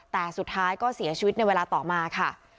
แต่สุดท้ายก็เสียชีวิตในเวลาต่อมาค่ะ